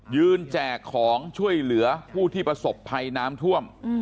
แจกของช่วยเหลือผู้ที่ประสบภัยน้ำท่วม